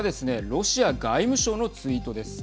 ロシア外務省のツイートです。